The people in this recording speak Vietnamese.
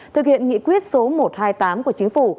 thực hiện nghị quyết số một trăm hai mươi tám của chính phủ